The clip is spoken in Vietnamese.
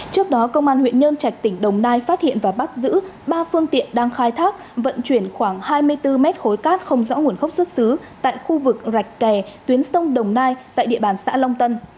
trước đó công an huyện nhân trạch tỉnh đồng nai phát hiện và bắt giữ ba phương tiện đang khai thác vận chuyển khoảng hai mươi bốn mét khối cát không rõ nguồn gốc xuất xứ tại khu vực rạch kè tuyến sông đồng nai tại địa bàn xã long tân